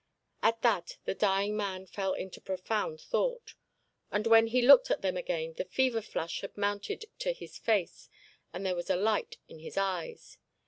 At that the dying man fell into profound thought, and when he looked at them again the fever flush had mounted to his face, and there was a light in his eyes.